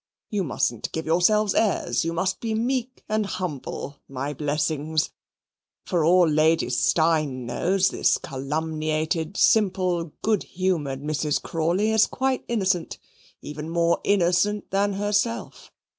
You mustn't give yourselves airs; you must be meek and humble, my blessings. For all Lady Steyne knows, this calumniated, simple, good humoured Mrs. Crawley is quite innocent even more innocent than herself.